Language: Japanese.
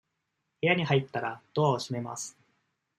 部屋に入ったら、ドアを閉めます。